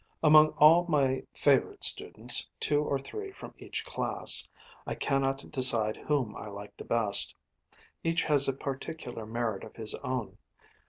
18 Among all my favourite students two or three from each class I cannot decide whom I like the best. Each has a particular merit of his own.